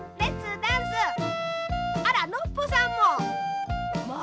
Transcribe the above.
あらノッポさんも。